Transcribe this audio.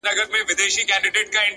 لوړ همت د سترو کارونو پیل دی.